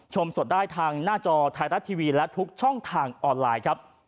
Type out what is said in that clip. ชมสดได้ทางหน้าจอไทยรัฐทีวีและทุกช่องทางออนไลน์ครับ